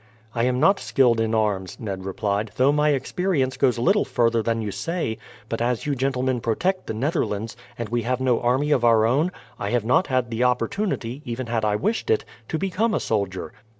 "I am not skilled in arms," Ned replied, "though my experience goes a little further than you say; but as you gentlemen protect the Netherlands, and we have no army of our own, I have not had the opportunity, even had I wished it, to become a soldier."